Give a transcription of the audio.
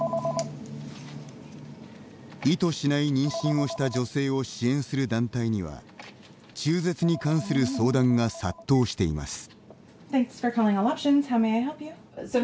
意図しない妊娠をした女性を支援する団体には中絶に関する相談が殺到しています。